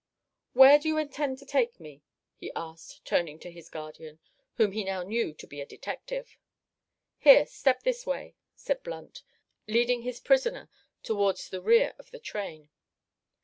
"Where do you intend to take me?" he asked, turning to his guardian, whom he now knew to be a detective. "Here, step this way," said Blunt, leading his prisoner towards the rear of the train.